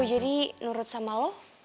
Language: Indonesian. jadi nurut sama lo